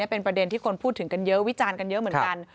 เป็นประเด็นที่คนพูดถึงกันเยอะวิจารณ์กันเยอะเหมือนกัน